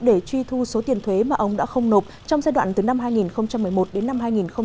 để truy thu số tiền thuế mà ông đã không nộp trong giai đoạn từ năm hai nghìn một mươi một đến năm hai nghìn một mươi bảy